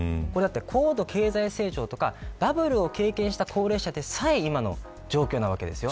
高度経済成長とかバブルを経験した高齢者でさえ今の状況です。